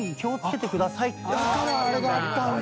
だからあれがあったんだ！